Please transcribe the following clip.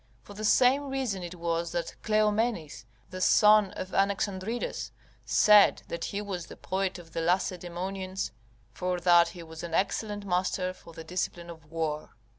For the same reason it was that Cleomenes, the son of Anaxandridas, said that he was the poet of the Lacedaemonians, for that he was an excellent master for the discipline of war.